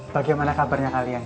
bagaimana kabarnya kalian